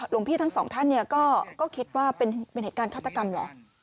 หลวงพี่ทั้งสองท่านก็คิดว่าเป็นเหตุการณ์ฆาตกรรมเหรอ